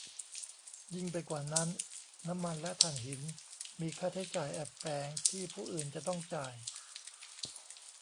ยิ่งไปกว่านั้น น้ำมันและถ่านหินมีค่าใช้จ่ายแอบแฝงที่ผู้อื่นจะต้องจ่าย